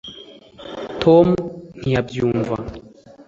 tom ntiyabyumva